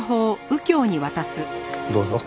どうぞ。